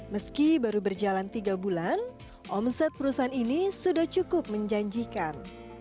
meski baru berjalan tiga bulan omset perusahaan ini sudah cukup menjanjikan